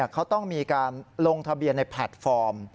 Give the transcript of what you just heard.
เขาต้องมีการลงทะเบียนในแพลตฟอร์ม